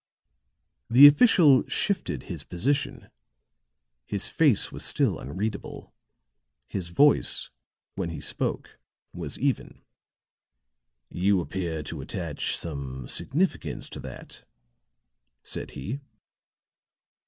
The official shifted his position; his face was still unreadable; his voice, when he spoke, was even. "You appear to attach some significance to that," said he.